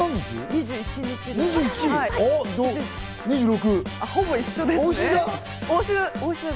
２６。